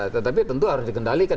tetapi tentu harus dikendalikan